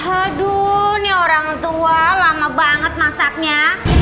aduh ini orang tua lama banget masaknya